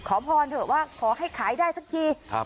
ขอพรเถอะว่าขอให้ขายได้สักทีครับ